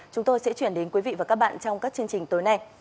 chúng tôi sẽ chuyển đến quý vị và các bạn trong các chương trình tối nay